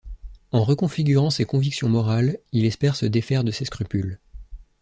En reconfigurant ses convictions morales, il espère se défaire de ses scrupules.